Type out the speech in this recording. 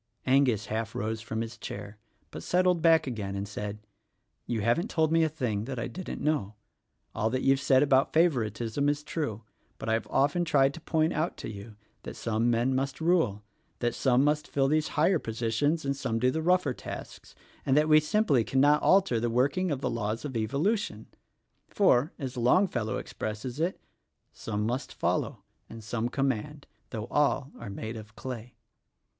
Angus half rose from his chair but settled back again and said, "You haven't told me a thing I didn't know. All that you've said about favoritism is true; but I've often tried to point out to you that some men must rule, that some must fill these higher positions and some do the rougher tasks and that we simply cannot alter the working of the laws of evolution. For — as Longfellow expresses it: 'Some must follow and some command, Though all are made of clay.'